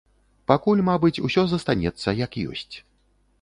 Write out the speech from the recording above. Пакуль, мабыць, усё застанецца, як ёсць.